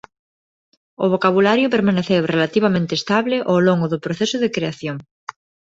O vocabulario permaneceu relativamente estable ó longo do proceso de creación.